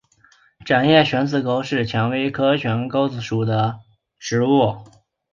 掌叶悬钩子是蔷薇科悬钩子属的植物。